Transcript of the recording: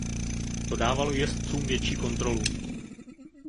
To dávalo jezdcům větší kontrolu.